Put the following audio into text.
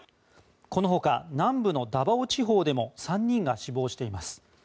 このほか、南部のダバオ地方でも３人が死亡しています。